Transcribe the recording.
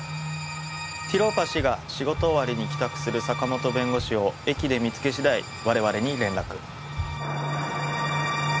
ティローパ師が仕事終わりに帰宅する坂本弁護士を駅で見つけ次第我々に連絡。